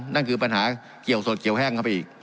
นั่นคือปัญหาเกี่ยวสดเกี่ยวแห้งเข้าไปอีก